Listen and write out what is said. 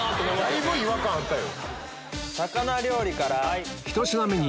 だいぶ違和感あったよ。